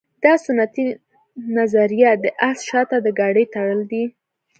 دا سنتي نظریه د اس شاته د ګاډۍ تړل دي.